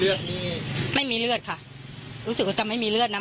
เลือดนี่ไม่มีเลือดค่ะรู้สึกว่าจะไม่มีเลือดนะ